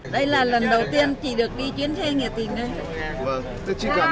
đây là lần đầu tiên chị được đi chuyến xe nghệ tình đây